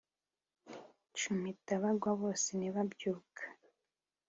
Nshumita bagwa, bose ntibabyuka